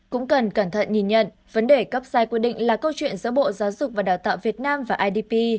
cũng cần cẩn thận nhìn nhận vấn đề cấp sai quy định là câu chuyện giữa bộ giáo dục và đào tạo việt nam và idp